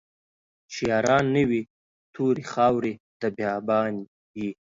چې ياران نه وي توري خاوري د بيا بان يې